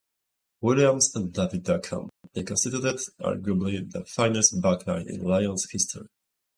Williams and David Duckham, they constituted arguably the finest back-line in Lions history.